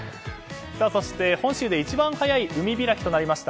そして、本州で一番早い海開きとなりました